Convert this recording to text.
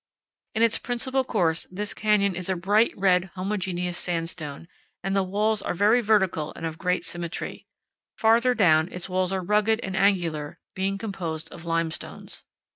In its principal course this canyon is a bright red homogeneous sandstone, and the walls are often vertical and of great symmetry. Farther down, its walls are rugged and angular, being composed of limestones.